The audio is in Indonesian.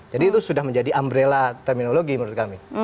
jadi itu sudah menjadi umbrella terminologi menurut kami